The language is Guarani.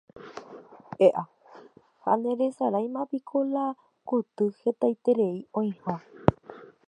E'a, ha nderesaráimapiko la koty hetaiterei oĩha